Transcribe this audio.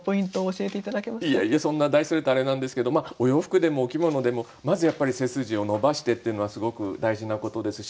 いやいやそんな大それたあれなんですけどお洋服でもお着物でもまずやっぱり背筋を伸ばしてっていうのはすごく大事なことですし